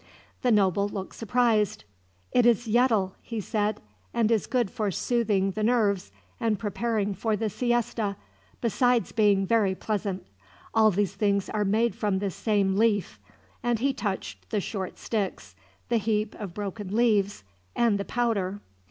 The noble looked surprised. "It is yetl," he said, "and is good for soothing the nerves and preparing for the siesta, besides being very pleasant. All these are made from the same leaf," and he touched the short sticks, the heap of broken leaves, and the powder.